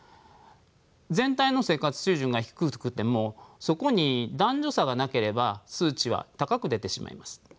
全体の生活水準が低くてもそこに男女差がなければ数値は高く出てしまいます。